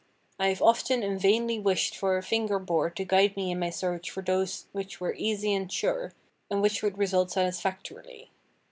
I have often and vainly wished for a finger board to guide me in my search for those which were easy and sure, and which would result satisfactorily.